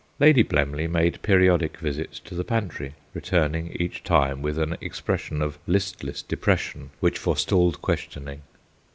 Lady Blemley made periodic visits to the pantry, returning each time with an expression of listless depression which forestalled questioning.